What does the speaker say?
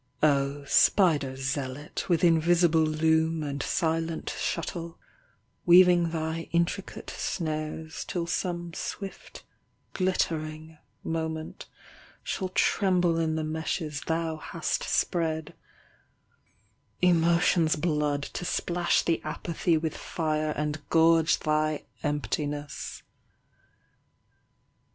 — O spider zealot With invisible loom And silent shuttle, Weaving thy intricate snares Till some swift glittering moment Shall tremble in the meshes thou hast spread — Emotion's blood To splash the apathy with fire And gorge thy emptiness